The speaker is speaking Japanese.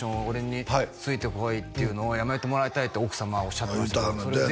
俺についてこいっていうのをやめてもらいたいって奥様はおっしゃってましたけど